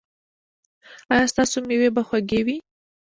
ایا ستاسو میوې به خوږې وي؟